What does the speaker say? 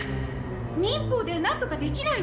忍法でなんとかできないの？